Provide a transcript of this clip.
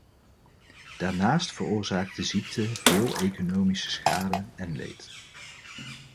Daarnaast veroorzaakt de ziekte veel economische schade en leed.